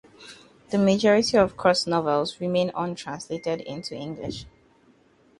The majority of Kross novels remain untranslated into English.